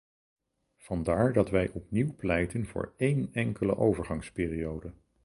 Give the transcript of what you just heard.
Vandaar dat wij opnieuw pleiten voor één enkele overgangsperiode.